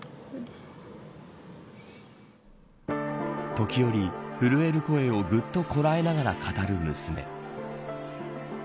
時折、震える声をぐっとこらえながら語る娘。